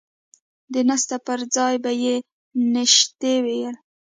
د نسته پر ځاى به يې نيشتې ويل.